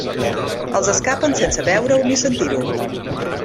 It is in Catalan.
Els escapen sense veure-ho ni sentir-ho.